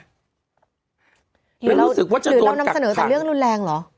เป็นรู้สึกว่าจะโดนกักภัณฑ์หรือเรานำเสนอแต่เรื่องรุนแรงหรอ